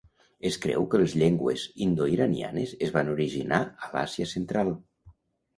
Es creu que les llengües indo-iranianes es van originar a l'Àsia central.